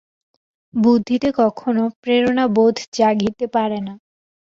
বুদ্ধিতে কখনও প্রেরণাবোধ জাগিতে পারে না।